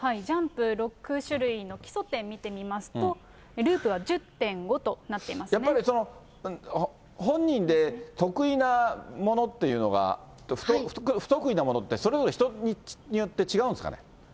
ジャンプ６種類の基礎点、見てみますと、ループは１０．５とやっぱり、本人で得意なものというのが、不得意なものって、それぞれ人によって違うんですかね。